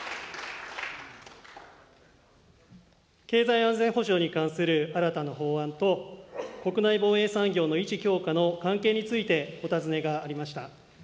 経済安全保障に関する新たな法案と、国内防衛産業の維持強化の関係について、お尋ねがありました。